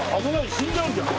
死んじゃうんじゃない？